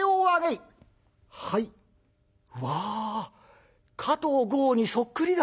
うわ加藤剛にそっくりだ！」。